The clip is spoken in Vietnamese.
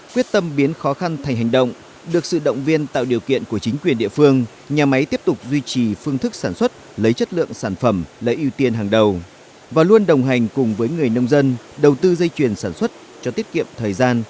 quyết tâm biến khó khăn thành hành động được sự động viên tạo điều kiện của chính quyền địa phương nhà máy tiếp tục duy trì phương thức sản xuất lấy chất lượng sản phẩm là ưu tiên hàng đầu và luôn đồng hành cùng với người nông dân đầu tư dây chuyền sản xuất cho tiết kiệm thời gian